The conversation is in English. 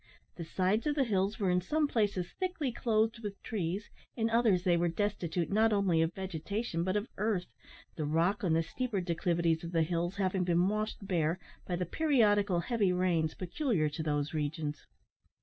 The sides of the hills were in some places thickly clothed with trees, in others they were destitute not only of vegetation but of earth, the rock on the steeper declivities of the hills having been washed bare by the periodical heavy rains peculiar to those regions.